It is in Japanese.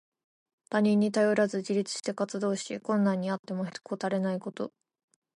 他人に頼らず自立して活動し、困難にあってもへこたれないこと。